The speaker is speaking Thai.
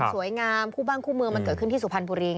สวยงามคู่บ้านคู่เมืองมันเกิดขึ้นที่สุพรรณบุรีไง